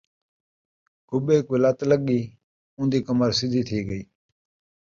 کُٻے کوں لت لڳی اون٘دی کمر سدھی تھی ڳئی